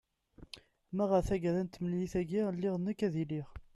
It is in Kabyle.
ma ɣer tagara n temlilit-agi lliɣ nekk ad iliɣ